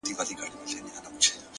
وي د غم اوږدې كوڅې په خامـوشۍ كي،